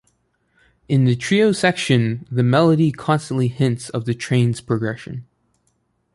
In the trio section the melody constantly hints of the train's progression.